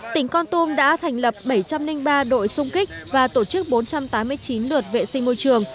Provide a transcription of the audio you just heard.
tỉnh con tum đã thành lập bảy trăm linh ba đội xung kích và tổ chức bốn trăm tám mươi chín lượt vệ sinh môi trường